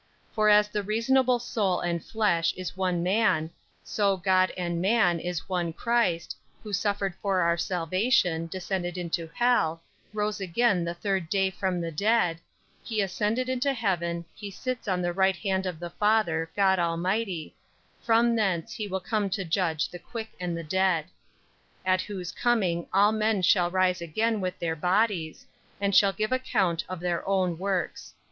37. For as the reasonable soul and flesh is one man, so God and man is one Christ; 38. Who suffered for our salvation, descended into hell, rose again the third day from the dead; 39. He ascended into heaven, He sits on the right hand of the Father, God, Almighty; 40. From thence He shall come to judge the quick and the dead. 41. At whose coming all men shall rise again with their bodies; 42. and shall give account of their own works.